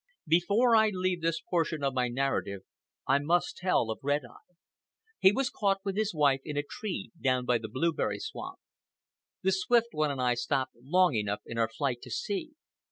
Before I leave this portion of my narrative, I must tell of Red Eye. He was caught with his wife in a tree down by the blueberry swamp. The Swift One and I stopped long enough in our flight to see.